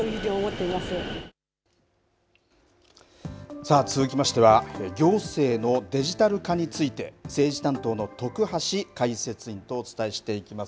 さあ、続きましては行政のデジタル化について政治担当の徳橋解説委員とお伝えしていきます。